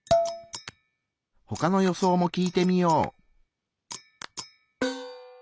ほかの予想も聞いてみよう。